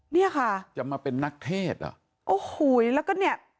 เนี่ยค่ะจะมาเป็นนักเทศเหรอโอ้โหแล้วก็เนี่ย